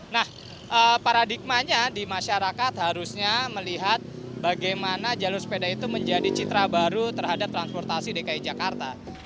nah paradigmanya di masyarakat harusnya melihat bagaimana jalur sepeda itu menjadi citra baru terhadap transportasi dki jakarta